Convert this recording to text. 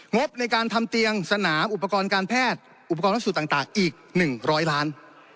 งบในการทำเตียงสนามอุปกรณ์การแพทย์อุปกรณ์นักสูตรต่างอีก๑๐๐ล้าน